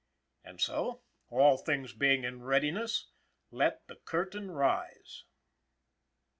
And so, all things being in readiness, let the curtain rise.